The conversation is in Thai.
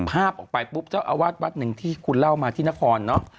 ภาพออกไปปุ๊บเจ้าอาวาสวัดหนึ่งที่คุณเล่ามาที่นครเนอะ